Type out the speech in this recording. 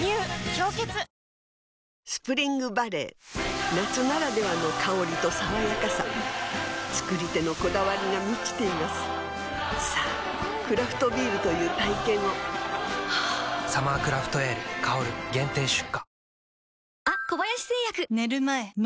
「氷結」スプリングバレー夏ならではの香りと爽やかさ造り手のこだわりが満ちていますさぁクラフトビールという体験を「サマークラフトエール香」限定出荷